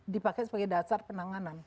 dipakai sebagai dasar penanganan